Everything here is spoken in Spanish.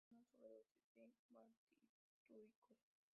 Se suicidó con una sobredosis de barbitúricos.